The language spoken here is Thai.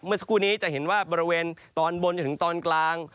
เมื่อสักครู่นี้จะเห็นว่าบริเวณตอนบนจนถึงตอนกลาง